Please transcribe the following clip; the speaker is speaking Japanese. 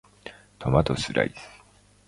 トマトスライス